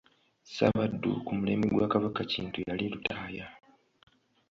Ssaabaddu ku mulembe gwa Kabaka Kintu yali Lutaaya.